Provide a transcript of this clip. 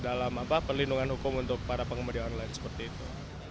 dalam perlindungan hukum untuk para pengemudi online seperti itu